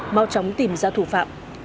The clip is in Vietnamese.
mau chóng tìm ra thủ phạm